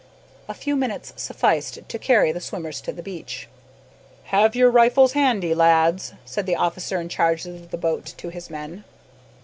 A few minutes sufficed to carry the swimmers to the beach. "Have your rifles handy, lads," said the officer in charge of the boat to his men.